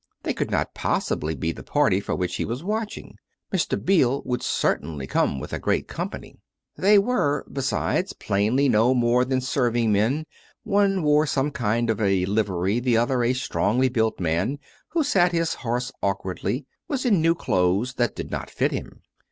They could not possibly be the party for which he was watching. Mr. Beale would certainly come with a great company. They were, besides, plainly no more than serving men: one wore some kind of a livery; the other, a strongly built man who sat his horse awk wardly, was in new clothes that did not fit him.